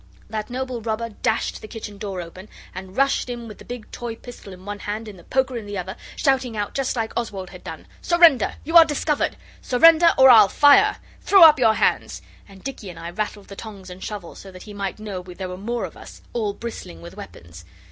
That noble robber dashed the kitchen door open, and rushed in with the big toy pistol in one hand and the poker in the other, shouting out just like Oswald had done 'Surrender! You are discovered! Surrender, or I'll fire! Throw up your hands!' And Dicky and I rattled the tongs and shovel so that he might know there were more of us, all bristling with weapons.